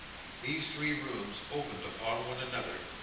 These three rooms opened upon one another.